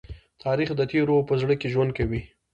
تاریخ د تېرو په زړه کې ژوند کوي.